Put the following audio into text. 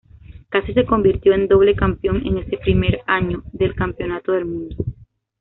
Casi se convirtió en doble campeón en ese primer año del Campeonato del Mundo.